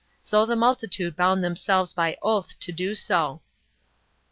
So the multitude bound themselves by oath so to do. 46.